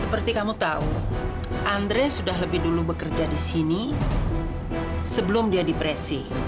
seperti kamu tahu andre sudah lebih dulu bekerja di sini sebelum dia depresi